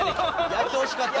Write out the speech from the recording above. やってほしかった。